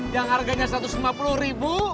yang harganya satu ratus lima puluh ribu